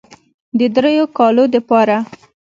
د دريو کالو دپاره